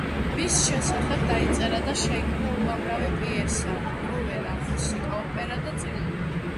მის შესახებ დაიწერა და შეიქმნა უამრავი პიესა, ნოველა, მუსიკა, ოპერა და წიგნი.